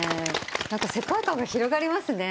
世界観が広がりますね。